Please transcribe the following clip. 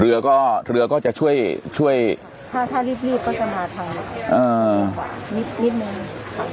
เรือก็เรือก็จะช่วยช่วยถ้าถ้ารีบรีบก็จะมาทางอ่านิดนึงค่ะ